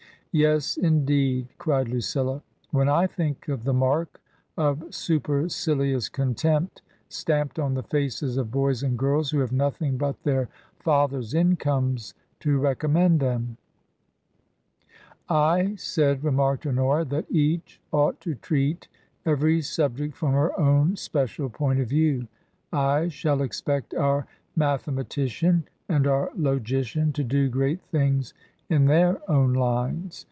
" Yes, indeed !" cried Lucilla. " When I think of the mark of supercilious contempt stamped on the faces of boys and girls who have nothing but their fathers' incomes to recommend them !"" I said," remarked Honora, " that each ought to treat every subject from her own special point of view. I shall expect our mathematician and our logician to do great things in their own lines.